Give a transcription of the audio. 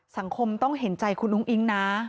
สังคมต้องเห็นใจคุณอุ้งอิ๊งนะ